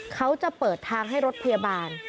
เขาจะเปิดทางให้รถพยาบาล